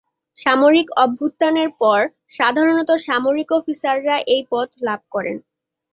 সামরিক অভ্যুত্থানের পর সাধারণত সামরিক অফিসাররা এই পদ লাভ করেন।